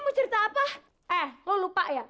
mau cerita apa eh lo lupa ya